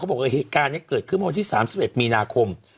บอกว่าเหตุการณ์นี้เกิดขึ้นเมื่อวันที่๓๑มีนาคม